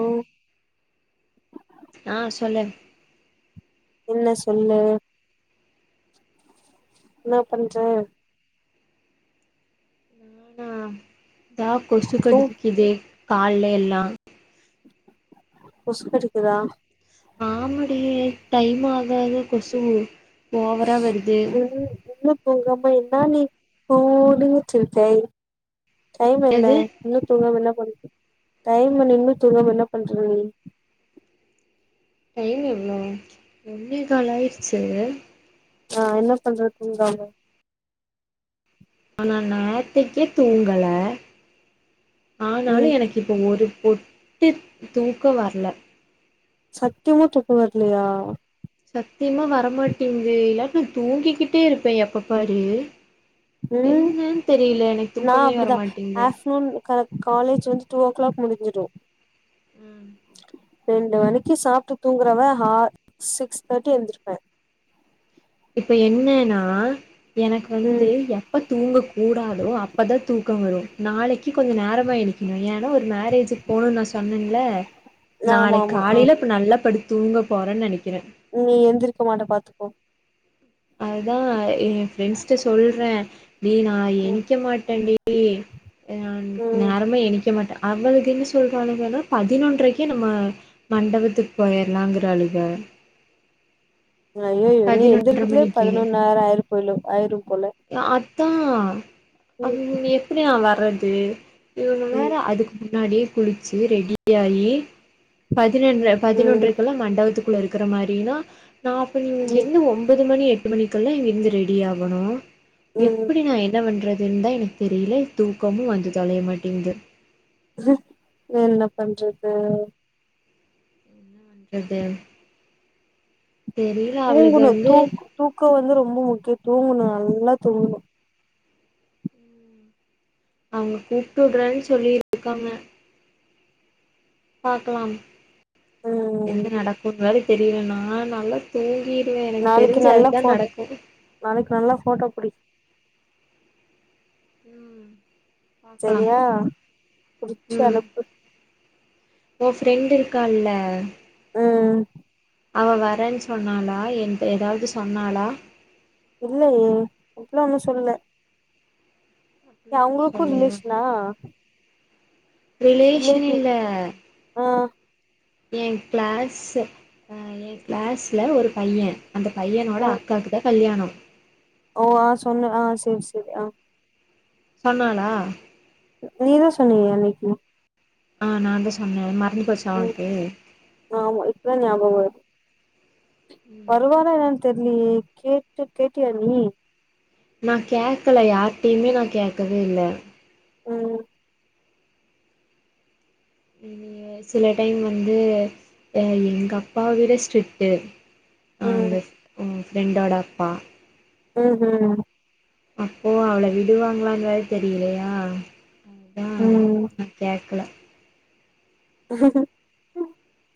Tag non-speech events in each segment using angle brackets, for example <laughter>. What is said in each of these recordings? ஓ ஆ சொல்லு என்ன சொல்லு என்னா பண்ற ஆனா இதா கொசு தூ கடிக்குதே கால்ல எல்லா கொசுக்கடிக்குதா ஆமடி டைம் ஆக ஆக கொசுவு <unintelligible> உங்க அம்மா என்னா நீ ஓனு வச்சுருக்க டைம் என்ன எது இன்னு தூங்காம என்ன பண்ற டைம் என்ன இன்னு தூங்காம என்ன பண்ற நீ டைம் எவ்வளோ ஒன்னே கால் ஆய்டுச்சு நா என்ன பண்றது தாங்க ஆனா நாத்தக்கே தூங்கல ஆனாலு ம் எனக் இப்போ ஒரு பொட்டு தூக்கோ வரல சத்தியமா தூக்கோ வரலயா சத்தியமா வரமாட்டேங்குதே இல்லாட்னா தூங்கிக்கிட்டே இருப்பே எப்ப பாரு ம் என்னன்னு தெரியல எனக்கு நா தூக்கமே அப்படிதா வரமாட்டேங்குது ஆஃப்நூன் கர காலேஜ் வந்து டூ ஓ கிளாக் முடிஞ்சிடு ம் ரெண்டு மணிக்கு சாப்ட்டு தூங்குறவ ஹா சிக்ஸ் தேர்ட்டி எந்திருப்பே இப்ப என்னன்னா எனக்கு வந்து ம் எப்போ தூங்கக்கூடாதோ அப்போ தா தூக்க வரு நாளைக்கு கொஞ்ச நேரமா எடுக்கணு ஏன்னா ஒரு மேரேஜுக்கு போணு நா சொன்னேன்ல ஆமா நாளக் ஆமா ஆ காலையில இப்ப நல்லா படுது தூங்க போறேன்னு நெனைக்கிறே நீ எந்திருக்க மாட்ட பாத்துக்கோ அததா ஏ ஃப்ரெண்ட்ஸ்ட சொல்றே நீ நா ம் எந்னைக்க மாட்டேன் டி ஆ ம் நேரமே ஏந்திக்க மாட்டே அவளுக்கு என்ன சொல்றாளுங்கங்கன்னா பதினொன்றைக்கே நம்ம மண்டபத்துக்கு போயிறலாங்கிறாளுங்க அய்யய்யோ நீ பதினொன்ற எந்தருக்கதுல மணிக்கு பதினொன்னாயிர ஆயிர போயிலோ ஆயிரு போல அத்தா அவ ம் எ எப்படியா வர்றது இவன்ன வேற ம் அதுக்கு முன்னாடி குளிச்சு ரெடிய ஆகி பதினொன்ற ம் பதினொன்றைக்குல்லா மண்டபத்துக்கு குள்ள இருக்கிற மாரினா நா அப்ப ம் இங்கருந்து ஒம்போது மணி எட் டு மணிக்கெல்லா இங்கருந்து ரெடி ஆகணு ம் எப்டி நா என்ன பண்றது ஏன்ந்தா எனக்கு தெரில தூக்கமு வந்து தொலைய மாட்டேங்குது வேற என்ன பண்றது <unintelligible> தெரியல அவளுக்கு தூங்குணு வந்து தூக் தூக்கோ வந்து ரொம்ப முக்கியோ தூங்குணு நல்லா தூங்குணு அவுங்க கூப்ட்டு உட்றன்னு சொல்லிட்ருக்காங்க பாக்லாம் ம் என்ன நடக்குன் வேற தெரில நா நல்ல தூங்கிடுவே எனக்கு நாளைக்கு தெரிஞ்சு நல்லா அதுதா ஃபோ நடக்கு நாளைக்கு நல்லா ஃபோட்டோ புடி ம் பாக்கலா செரியா புடிச்சு ம் அனுப்பு ஓ ஃப்ரெண்டு இருக்கால ம் அவ வரன் சொன்னாளா என்ட எதாது சொன்னாளா இல்லையே அப்புல்லா ஒன்னு சொல்ல ஏ அப்டிலா எதுவு அவுங்குளுக்கு சொல்லயா ரிலேஷனா ரிலேஷன் ரிலேட்டிவ் இல்ல ஆ ஏன் கிளாஸ்சு ஏன் கிளாஸ்ல ஒரு பையன் அந்த பையனோட ஆ அக்காக்கு தா கல்யாணோ ஓ ஆ சொன்ன ஆ சேரி சேரி ஆ சொன்னானா நீ தா சொன்னியே அன்னைக்கு ஆ நா தா சொன்னே மறந்து போச்சா ம் ஒனக்கு ஆமா இப்பதா ஞாபகம் வருது ம் வருவாரா என்னன் தெர்லியே கேட்டு கேட்டியா நீ நா கேக்கல யார்டையுமே நா கேக்கவே இல்ல ம் இல்லியே சில டைம் வந்து எங்க அப்பாவ விட ஸ்ட்ரிட்டு அந்த ம் ம் ஃப்ரெண்டோட அப்பா ம் ஹூ அப்போ அவள விடுவாங்ளான் வேற தெரிலயா ம் நா கேக்கல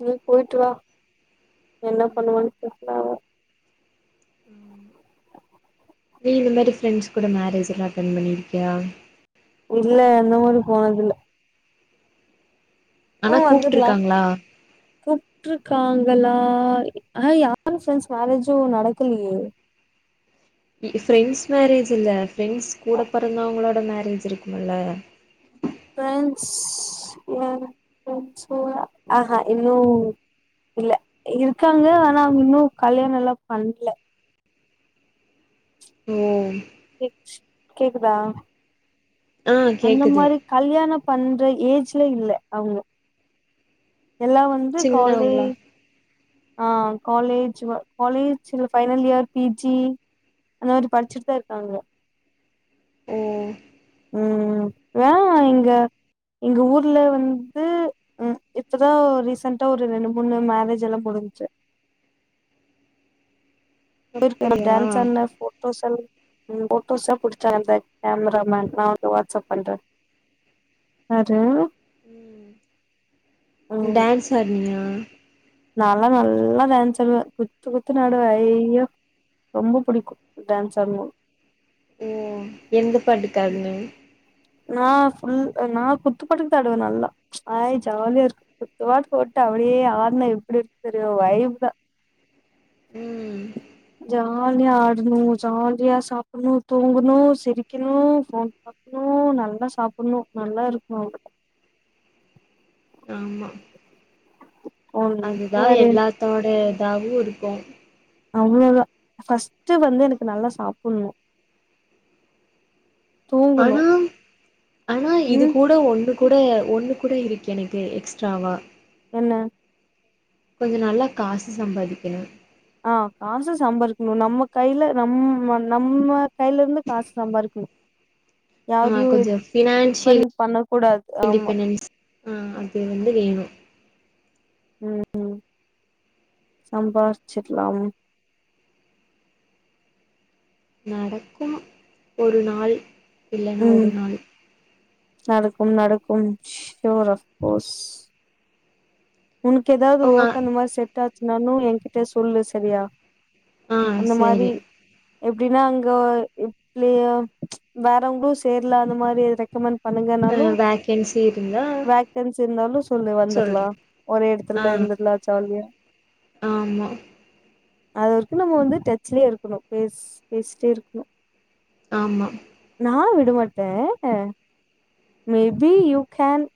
நீ போயிட்டு வா என்ன பண்ணுவான் தெர்ல அவே நீ இந்த மேரி ஃப்ரெண்ட்ஸ் கூட மேரேஜ் எல்லா அட்டென் பண்ணிருக்கியா இல்ல அந்த மாரி போனதுல்ல அவ ஆனா வந்துர்லா கூப்ட்ருக்காங்களா கூப்ட்ருக்காங்களா ஆனா யார் ஃப்ரெண்ட்ஸ் மேரேஜு நடக்கலயே ஃப்ரெண்ட்ஸ் மேரேஜ் இல்ல ஃப்ரெண்ட்ஸ் கூட பெறந்தவங்களோட மேரேஜ் இருக்குமுல்ல ஃப்ரெண்ட்ஸ் ஏ ஃப்ரெண்ட்ஸ் கூட அ ஹ இன்னு இல்ல இருக்காங்க ஆனா அவங்க இன்னு கல்யாணலா பண்ல ஓ இச் கேக்குதா ஆ அந்த கேக்குது மாரி கல்யாண பண்ற ஏஜ்ல இல்ல அவுங்க எல்லா வந் து காலே சின்னவங்களா ஆ காலேஜ் வ காலேஜ் இல்ல ஃபைனல் இயர் பிஜி படிச்சுட்டுதா இருக்காங்க ஓ ம் ம் வே எங்க எங்க ஊர்ல வந்து ம் இப்பதா ரீசண்ட்டா ஒரு ரெண்டு மூணு மேரேஜ் எல்லா முடுஞ்சு <inaudible> எனக்கு அப்படியா டான்ஸ் ஆடுன போட்டோ போட்டோசல் ஃபோட்டோசா புடிச்சா அந்த கேமராமன் நா வந்து வாட்ஸ்அப் பண்றே அது டான்ஸ் ஆடுனியா நாலா நல்லா டான்ஸ் ஆடுவே குத்து குத்து ஆடுவே ஐயோ ரொம்ப பிடிக்கு டான்ஸ் ஆடுனா ஓ எந்த பாட்டுக்கு ஆடனு நா ஃபுல் நா குத்து பாட்டுக்கு தா ஆடுவே நல்லா ஆய் ஜாலியா இருக்கு குத்து பாட்டு போட்டு அப்டியே ஆடுனா எப்டி இருக்கு தெரியுமா வைபுதா ம் ஜாலியா ஆடணு ஜாலியா சாப்பிடணு தூங்கணு சிரிக்கணு ஃபோன் பாக்கணு ணு நல்லா சாப்பிடணு நல்லா இருக்கணு ஆமா அதுதா ஒன்னு வேற எல்லாத்தோட இதாவு இருக்கு அவ்ளோதா ஃபஸ்டு வந்து எனக்கு நல்லா சாப்பிடணு தூங்கணு அதும் ஆனா இது ம் கூட ஒன்னு கூட ஒன்னு கூட இருக்கு எனக்கு எக்ஸ்ட்ராவா என்ன கொஞ்ச நல்லா காசு சம்பாதிக்கணு ஆ காசு சம்பாரிக்கணு நம்ம கையில நம் நம்ம கையில இருந்து காசு சம்பாரிக்கணு ஆ யாரையு கொஞ்சோ ஃபினான்சியல் டிப்பெண்ட் பண்ண கூடாது ஆமா ம் அது வந்து வேணு ம் சம்பாரிச்சிர்லாம் நடக்குமா ஒரு நாள் இல்லன்னா ம் ஒரு நாள் நடக்கும் நடக்கும் சுயர் அஃப் கோஸ் உனக்கு ஏதாவது அவங்க ஒர்க் அந்த மாரி செட் ஆச்சுனானு என்கிட்டே சொல்லு சரியா ஆ அந்த மாரி சேரி எப்டின்னா இங்க எப்லையா வேறவங்களு சேர்லா அந்த மாரி இது ரெக்கமெண்ட் ஆ பண்ணுங்கனாலு வேக்கன்சி இருந்தா வேக்கன்சி இருந்தாலு சொல்லு சொல்றே வந்துரலா ஒரே ஆ இடத்துல இருந்துர்லா ஜாலியா ஆமா அது வரைக்கும் நம்ம வந்து டச்லயே இருக்கணு பேஸ் பேசிட்டே இருக்கணு ஆமா நா விடமாட்டே மேபி யூ கேன்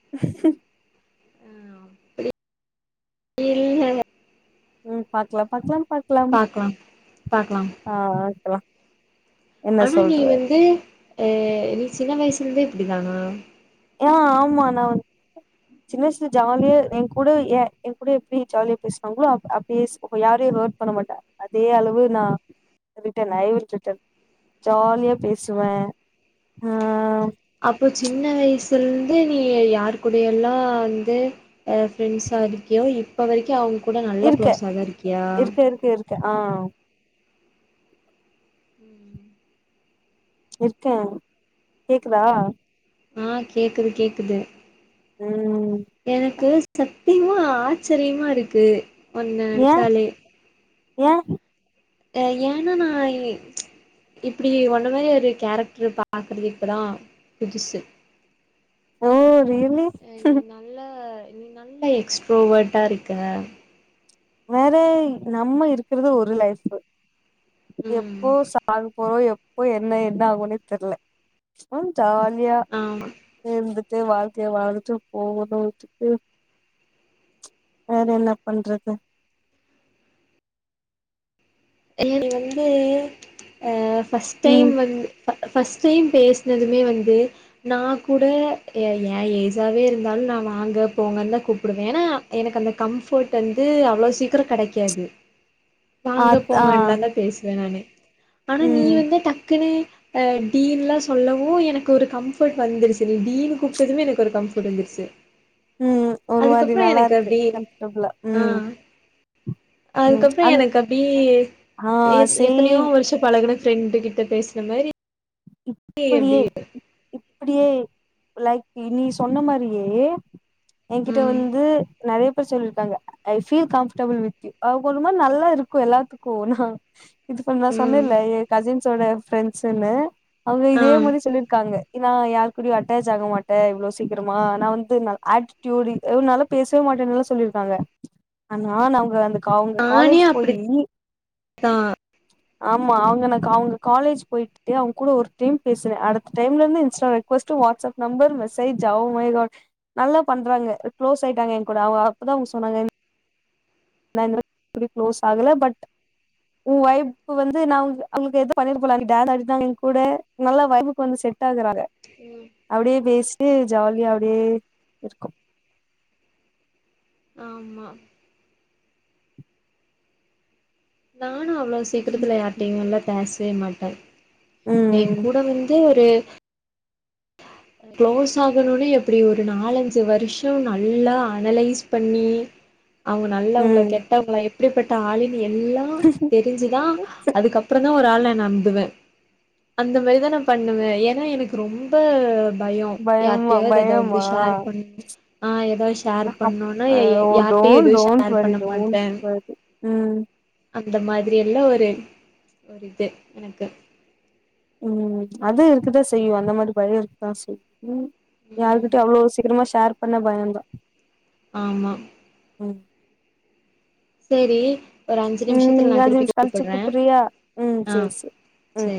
இல்லங்க ம் பாக்கலா பாக்கலாம் பாக்கலாம் பாக்கலா ஆ இருக்கலாம் ஆனா நீ வந்து அ நீ சின்ன வயசுல இருந்தே இப்டிதானா யா ஆமா நா வந் சின்ன வயசுல ஜாலியா என் கூட எ என் கூட எப்டி ஜாலியா பேசுறாங்களோ அ அப் இஸ் யாரையு ஹர்ட் பண்ண மாட்ட அதே அளவு நா கிட்ட நயவர் விட்டுட்ட ஜாலியா பேசுவே ஆ அப்ப சின்ன வயசுல இருந்து நீ யாரு கூடைய எல்லா வந்து அ ஃப்ரெண்ட்ஸா இருக்கியோ இப்ப வரைக்கு அவங்க கூட நல்ல குளோஸா தா இருக்கியா கு ஆ ம் இருக்கே கேக்குதா ஆ கேக்குது கேக்குது ம் எனக்கு சத்தியமா ஆச்சரியமா இருக்கு ஒன்ன ஏ நெனச்சாலே ஏ ஆ ஏன்னா நா இ இப்டி ஒன்ன மாரி ஒரு கேரக்டரு பாக்கறது இப்பதா புதுசு ஓ ரியலி அ நீ நல்ல நீ நல்ல எக்ஸ்ட்ரோவர்ட்டா இருக்க வேற நம்ம இருக்குறது ஒரு லைஃப் ம் எப்போ சாவ போறோ எப்போ என்ன என்ன ஆகுன்னே தெரில்ல அ ஜாலியா ஆமா இருந்து ட்டு வாழ்க்கைய வாழ்ந்துட்டு போகணு எதுக்கு வேற என்ன பண்றது எனக்கு வந்து அ ஃபஸ்ட் டைம் ம் வந் ஃபர்ஸ்ட் டைம் பேசுனதுமே வந்து நா கூட ஏ ஏ ஏஜாவே இருந்தாலு நா வாங்க போங்கன் தா கூப்புடுவே ஏன்னா எனக்கு அந்த கம்ஃபர்ட் வந்து அவ்வளோ சீக்கிரோ கெடைக்காது ஆ போங்கண்லாதா பேசுவே நானு ஆனா நீ ம் வந்து டக்குன்னு ஆ டீன்ல்லா சொல்லவு எனக்கு ஒரு கம்ஃபர்ட் வந்துருச்சு நீ டீனு கூப்ட்டதுமே எனக்கு ஒரு கம்ஃபர்ட் வந்துருச்சு ம் ஒரு மாரி அதுக்கப்புறோ நல்லா எனக்கு இருக்கு அப்டி கம்ஃபட்டபிளா ஆ ம் ம் அதுக்கப்புறோ அந் எனக்கு அப்டியே ஆ எ எத்தனையோ சேம் வருஷோ பழகுன ஃப்ரெண்டு கிட்ட பேசுன மாரி இப்டியே அப்டி இப் இப்டியே லைக் நீ சொன்ன மாரியே எகிட்ட ம் வந்து நெறைய பே சொல்லிருக்காங்க I feel comfortable with you அவங்க ஒருமா நல்லா இருக்கு எல்லாத்துக்கு நா இதுப்ப நான் ம் சொன்னேலே எ கசின்ஸோட ஃப்ரெண்ட்ஸுன்னு அவங்க இதே ஆ மாரி சொல்லிருக்காங்க ஏ நா யாரு கூடயு அட்டாச் ஆகமாட்டே இவ்ளோ சீக்கிரமா நா வந்து நா ஆட்டிடுல்லி எ நல்ல பேசவே மாட்டேன்னுல்ல சொல்லியிருக்காங்க ஆனா நாங்க வந்து அவங்க நானே காலேஜ் போயி அப்டித்தா ஆமா அவங்கனக்கு அவங்க காலேஜ் போயிட்டுட்டு அவங்க கூட ஒரு டைம் பேசுவே அடுத்த டைம்ல இருந்து Insta request WhatsApp number message oh my god நல்லா பண்றாங்க க்ளோஸ் ஆயிட்டாங்க எ கூட அவங்க அப்பதா அவங்க சொன்னாங்க நா இன் <inaudible> க்ளோஸ் ஆகல பட் உ வய்ப்பு வந்து நா அவங்களுக்கு அவங்களுக்கு எதோ பண்ணிடே போல அன்னி டேன் அழுதாங்க எகூட நல்ல வைபுக்கு வந்து செட் ஆகுறாங்க ம் அப்டியே பேஸ்ட்டு ஜாலியா அப்டியே இருக்கு ஆமா நானு அவ்வளோ சீக்கிரத்துல ம் யார்ட்டையு நல்லா பேசவே மாட்டே எ ம் கூட வந்து ஒரு க்ளோஸ் ஆகணுனே எப்டி ஒரு நாலஞ்சு வருஷோ நல்லா அனலைஸ் பண்ணி அவுங்க நல்லவ்ங்ளா ம் கெட்டவ்ங்ள எப்டிப்பட்ட ஆளுன்னு எல்லா தெரிஞ்சுதா அதுக்கப் அப்றோதா ஒரு ஆள நம்புவே அந்த மாரிதா நா பண்ணுவே எனா எனக்கு ரொம்ப பயோ பயமா யார்ட்டையாது எதாது பயமா ஷேர் பண்ண ஆ எதா ஷேர் பண்ணுனா ஓ யார்ட்டையு டோன் எதுவு டோன்ட் ஷேர் வரி பண்ண டோன்ட் மாட்டே வரி ம் அந்த மாதிரி எல்லா ஒரு ஒரு இது எனக்கு ம் அது இருக்குதா செய்யு அந்த மாரி பயோ இருக்குதா செய்யு ம் ம் யாருகிட்டயு அவ்ளோ சீக்கரமா ஷேர் பண்ண பயோதா ஆமா ம் சேரி ஒரு அஞ்சு நிமிஷத்துல ம் நா அஞ்சு திருப்பி நிம்ஷோ கழிச்சு கூப்புட்றே கூப்பறியா ம் ஆ சேரி சேரி